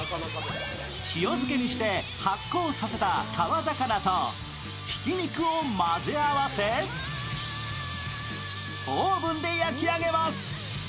塩漬けにして発酵させた川魚と挽き肉を混ぜ合わせ、オーブンで焼き上げます。